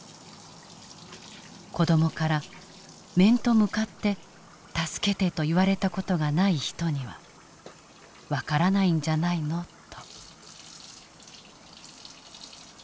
「子どもから面と向かって助けてと言われた事がない人には分からないんじゃないの」と。